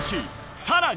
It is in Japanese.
さらに。